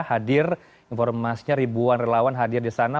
hadir informasinya ribuan relawan hadir di sana